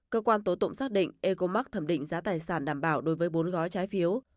cơ quan tố tụng xác định ecomc thẩm định giá tài sản đảm bảo đối với bốn gói trái phiếu